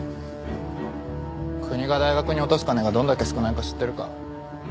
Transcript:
国が大学に落とす金がどんだけ少ないか知ってるか？